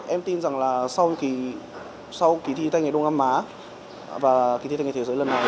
em tin rằng là sau kỳ thi tây nghề đông nam á và kỳ thi tay nghề thế giới lần này